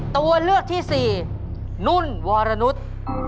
ตัวเลือกที่สี่นุ่นวรนุษย์